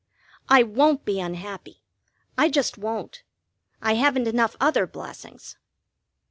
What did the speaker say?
I won't be unhappy. I just won't. I haven't enough other blessings.